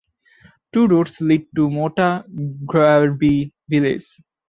Two roads lead to Mota Gharbi village.